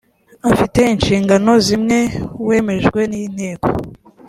afite inshingano zimwe wemejwe n inteko